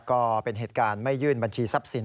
ก็เป็นเหตุการณ์ไม่ยื่นบัญชีทรัพย์สิน